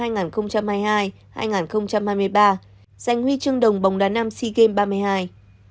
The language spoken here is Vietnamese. hai nghìn hai mươi ba giành huy chương đồng bóng đá nam sea games ba mươi hai